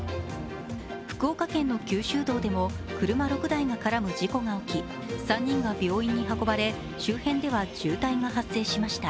福岡県の九州道でも車６台が絡む事故が起き３人が病院に運ばれ周辺では渋滞が発生しました。